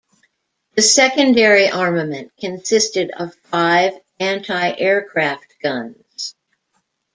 The secondary armament consisted of five anti-aircraft guns.